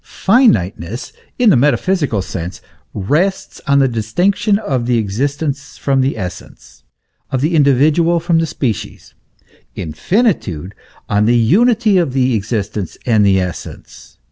Finiteness in the metaphysical sense rests on the distinction of the existence from the essence, of the individual from the species ; infinitude, on the unity of existence and essence.